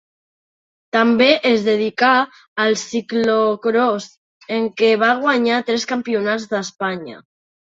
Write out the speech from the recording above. També es dedicà al ciclocròs, en què va guanyar tres Campionats d'Espanya.